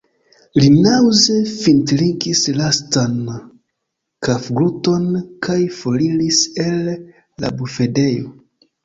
Li naŭze fintrinkis lastan kafgluton kaj foriris el la bufedejo.